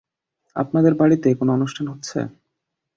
আপনাদের বাড়িতে কোন অনুষ্ঠান হচ্ছে?